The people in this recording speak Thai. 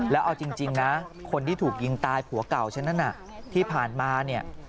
แล้วเอาจริงนะคนที่ถูกยิงตายผัวเก่าฉันนั้นน่ะที่ผ่านมาเนี่ย